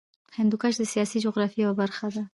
هندوکش د سیاسي جغرافیه یوه برخه ده.